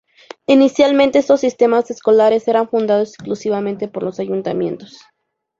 Inicialmente, estos sistemas escolares eran fundados exclusivamente por los ayuntamientos.